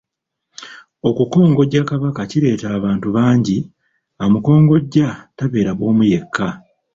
Okukongojja Kabaka kireeta abantu bangi, amukongojja tabeera bw'omu yekka.